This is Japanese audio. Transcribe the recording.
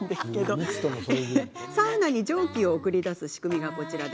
サウナに蒸気を送り出す仕組みがこちら。